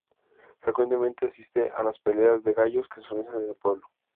Frecuentemente asiste a las peleas de gallos que se organizan en el pueblo.